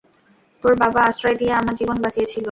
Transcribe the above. তোর বাবা আশ্রয় দিয়ে আমার জীবন বাঁচিয়েছিল।